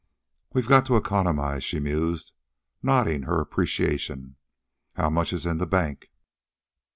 "We've got to economize," she mused, nodding her appreciation. "How much is in bank?"